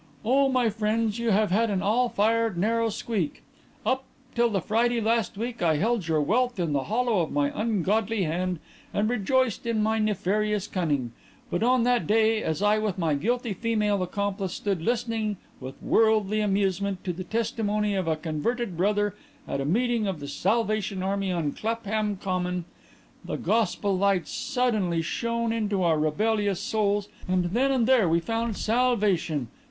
"Oh, my friends, you have had an all fired narrow squeak. Up till the Friday in last week I held your wealth in the hollow of my ungodly hand and rejoiced in my nefarious cunning, but on that day as I with my guilty female accomplice stood listening with worldly amusement to the testimony of a converted brother at a meeting of the Salvation Army on Clapham Common, the gospel light suddenly shone into our rebellious souls and then and there we found salvation.